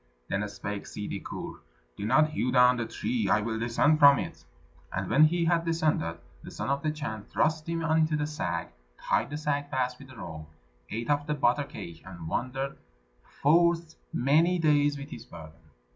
Then spake Ssidi Kur, "Do not hew down the tree; I will descend from it." And when he had descended, the Son of the Chan thrust him into the sack, tied the sack fast with the rope, ate of the butter cake, and wandered forth many days with his burden.